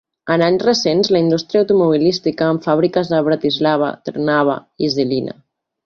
En anys recents la indústria automobilística, amb fàbriques a Bratislava, Trnava i Žilina.